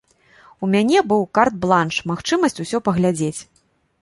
У мяне быў карт-бланш, магчымасць усё паглядзець.